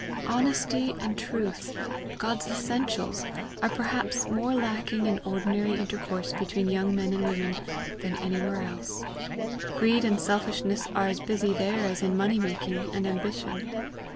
Honesty and truth, God's essentials, are perhaps more lacking in ordinary intercourse between young men and women than anywhere else. Greed and selfishness are as busy there as in money making and ambition.